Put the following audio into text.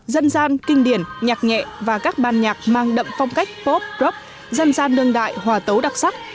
dân gian kinh điển nhạc nhẹ và các ban nhạc mang đậm phong cách pop crop dân gian đương đại hòa tấu đặc sắc